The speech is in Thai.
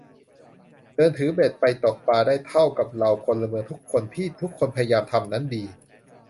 เดินถือเบ็ดไปตกปลาได้เท่ากับเราพลเมืองทุกคน ที่ทุกคนพยายามทำนั้นดี